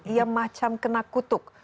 ia macam kena kutuk